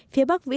phía bắc vĩ tây